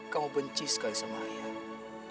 kamu benci sekali sama ayahmu